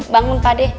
bangun pak d